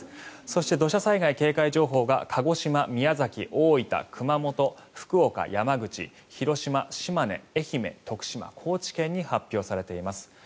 そして、土砂災害警戒情報が鹿児島、宮崎、大分熊本、福岡、山口、広島、島根愛媛、徳島、高知県に発表されています。